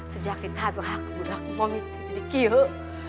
sejak kita berhak budak mami jadi kiyok